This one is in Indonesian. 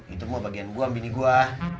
itu mau bagian buang bini gue